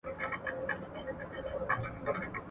ستاسو ژوند یوازي ستاسو پوري اړه لري.